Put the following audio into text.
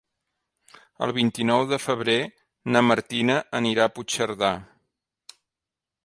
El vint-i-nou de febrer na Martina anirà a Puigcerdà.